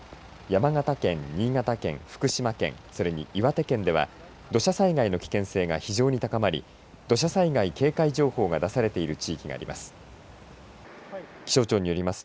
山形県、新潟県、福島県それに、岩手県では土砂災害の危険性が非常に高まり土砂災害警戒情報が出されている地域があります。